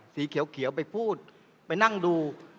สีเขียวไปพูดไปนั่งดู